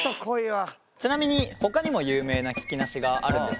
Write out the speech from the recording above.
ちなみにほかにも有名な聞きなしがあるんですが。